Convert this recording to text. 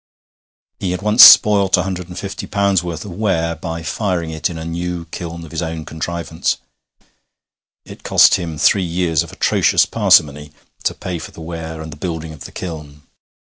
He had once spoilt a hundred and fifty pounds' worth of ware by firing it in a new kiln of his own contrivance; it cost him three years of atrocious parsimony to pay for the ware and the building of the kiln.